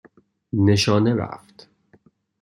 نشانه رفت